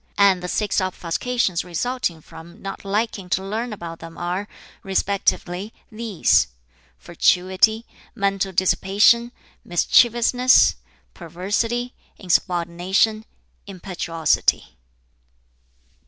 And the six obfuscations resulting from not liking to learn about them are, respectively, these: fatuity, mental dissipation, mischievousness, perversity, insubordination, impetuosity."